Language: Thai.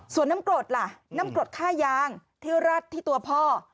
ส่วนน้ำกรดล่ะน้ำกรดค่ายางที่รัดที่ตัวพ่อ